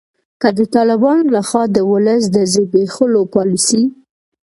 که د طالبانو لخوا د ولس د زبیښولو پالسي